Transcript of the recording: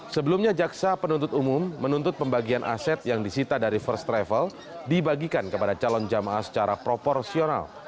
sebelumnya jaksa penuntut umum menuntut pembagian aset yang disita dari first travel dibagikan kepada calon jamaah secara proporsional